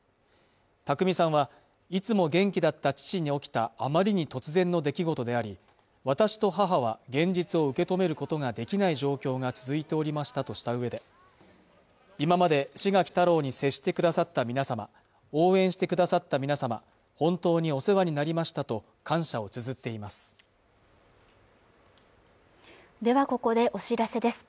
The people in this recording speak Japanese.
匠さんはいつも元気だった父に起きたあまりに突然の出来事であり私と母は現実を受け止めることができない状況が続いておりましたとしたうえで今まで志垣太郎に接してくださった皆様応援してくださった皆様本当にお世話になりましたと感謝をつづっていますではここでお知らせです